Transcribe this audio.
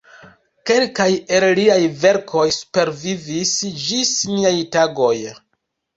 Kelkaj el liaj verkoj supervivis ĝis niaj tagoj.